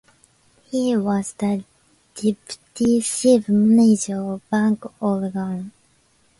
He was the Deputy Chief Manager of Bank of Ghana.